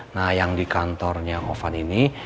nah yang di kantornya ovan ini